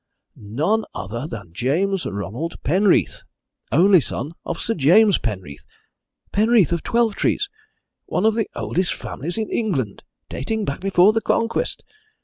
None other than James Ronald Penreath, only son of Sir James Penreath Penreath of Twelvetrees one of the oldest families in England, dating back before the Conquest!